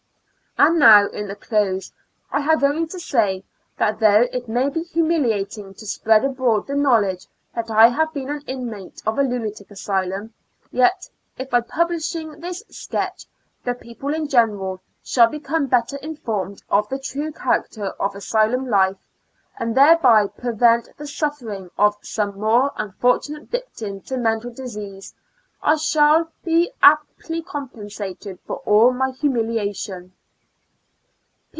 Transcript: And now, in the close, I have only to say, that, though it may be humiliating to spread abroad the knowledge that I have been an inmate of a lunatic asylum, yet, if AY A L UNA TIC A STL UM. Yl^ by publishing this sketch, the people in general shall become better informed of the true character of asylum life, and thereby prevent the suffering of some poor, unfor tunate victim to mental disease, I shall be amply compensated for all my humiliation.